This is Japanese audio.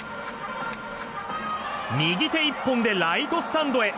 右手１本でライトスタンドへ。